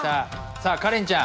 さあカレンちゃん